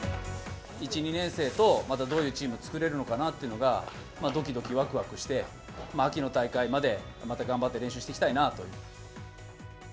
１、２年生と、またどういうチーム作れるかなっていうのが、どきどきわくわくして、秋の大会までまた頑張って練習していきたいなという。